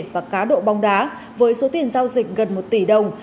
và cá độ bóng đá với số tiền giao dịch gần một tỷ đồng